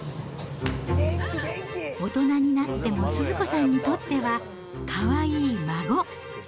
大人になっても、スズ子さんにとっては、かわいい孫。